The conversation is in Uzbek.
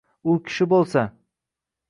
U kishi bo’lsa: